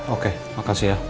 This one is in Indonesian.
oke makasih ya